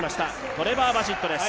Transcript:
トレバー・バシットです。